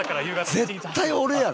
絶対俺やろ。